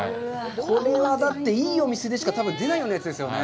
これはだっていいお店でしか出ないようなやつですよね。